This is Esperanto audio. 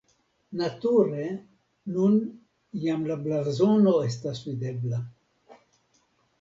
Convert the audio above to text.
Nature nun jam la blazono estas videbla.